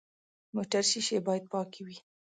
موټر شیشې باید پاکې وي.